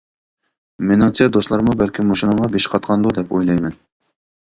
مېنىڭچە دوستلارمۇ بەلكىم مۇشۇنىڭغا بېشى قاتقاندۇ دەپ ئويلايمەن.